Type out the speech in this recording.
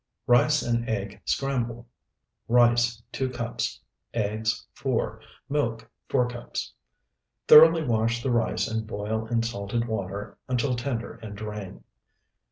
RICE AND EGG SCRAMBLE Rice, 2 cups. Eggs, 4. Milk, 4 cups. Thoroughly wash the rice and boil in salted water until tender and drain.